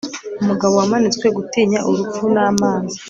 Umugabo Wamanitswe Gutinya urupfu namazi